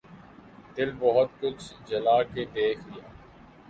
دل بہت کچھ جلا کے دیکھ لیا